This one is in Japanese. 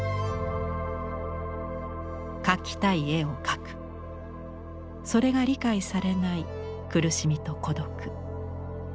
描きたい絵を描くそれが理解されない苦しみと孤独。